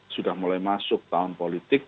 sudah mulai masuk tahun politik